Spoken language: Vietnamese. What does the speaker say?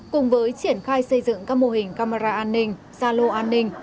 cùng với triển khai xây dựng các mô hình camera an ninh xa lô an ninh